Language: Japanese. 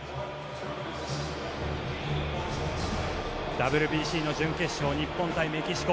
ＷＢＣの準決勝日本対メキシコ。